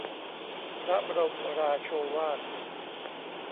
พระบรมราโชวาท